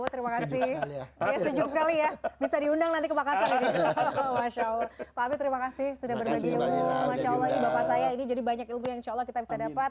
terima kasih sudah berbagi masya allah ini jadi banyak ilmu yang coba kita bisa dapat